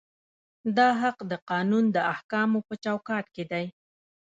دا حق د قانون د احکامو په چوکاټ کې دی.